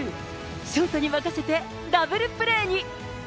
ショートに任せてダブルプレーに。